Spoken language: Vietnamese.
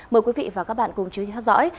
mời quý vị và các bạn cùng chú ý theo dõi